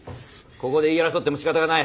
ここで言い争ってもしかたがない。